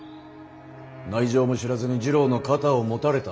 内情も知らずに次郎の肩を持たれた。